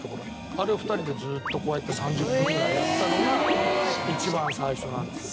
あれを２人でずーっとこうやって３０分ぐらいやったのが一番最初なんですよ。